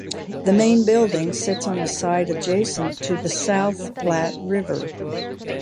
The main building sits on a site adjacent to the South Platte River.